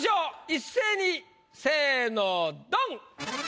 一斉にせぇのドン！